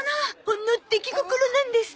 ほんの出来心なんです。